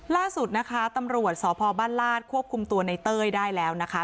ล่าสุดนะคะตำรวจสพบ้านลาดควบคุมตัวในเต้ยได้แล้วนะคะ